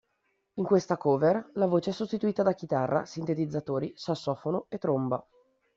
In questa cover, la voce è sostituita da chitarra, sintetizzatori, sassofono e tromba.